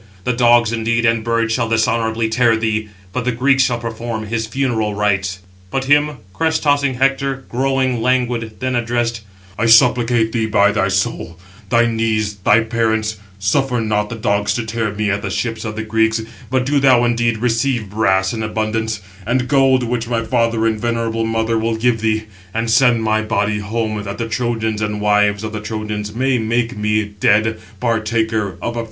The dogs, indeed, and birds shall dishonourably tear thee, but the Greeks shall perform his funeral rites." But him crest tossing Hector, growing languid, then addressed: "I supplicate thee by thy soul, thy knees, thy parents, suffer not the dogs to tear me at the ships of the Greeks; but do thou indeed receive brass in abundance, and gold, which my father and venerable mother will give thee; and send my body home, that the Trojans and wives of the Trojans may make me, dead, partaker of a funeral pyre."